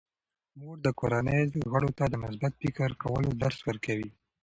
مور د کورنۍ غړو ته د مثبت فکر کولو درس ورکوي.